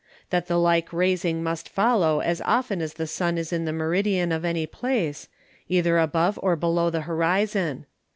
That the like Raising must follow as often as the Sun is in the Meridian of any Place, either above or below the Horizon.